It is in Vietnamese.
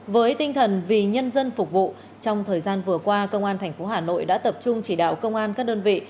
với tinh thần vì nhân dân phục vụ trong thời gian vừa qua công an tp hà nội đã tập trung chỉ đạo công an các đơn vị